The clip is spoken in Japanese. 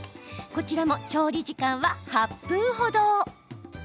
こちらも調理時間は、８分程。